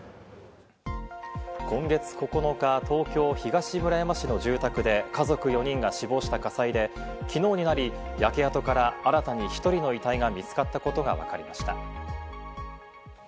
今月９日、東京・東村山市の住宅で家族４人が死亡した火災で、昨日になり焼け跡から新たに１人の遺体が見つかったことがわかりました。